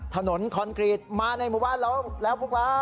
ถนนคอนเกรจมาในหมู่บ้านเราแล้วพวกเรา